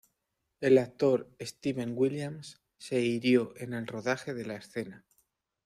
El actor Steven Williams se hirió en el rodaje de la escena.